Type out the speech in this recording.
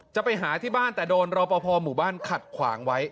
จะไปหาที่บ้านแต่โดนรอปภหมู่บ้านขัดขวางไว้